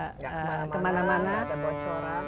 nggak kemana mana nggak ada bocoran